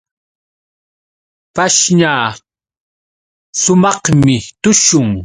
Pashña sumaqmi tushun.